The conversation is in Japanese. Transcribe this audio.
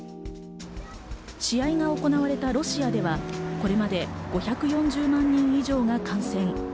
試合が行われたロシアでは、これまで５４０万人以上が感染。